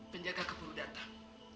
penjaga keburu datang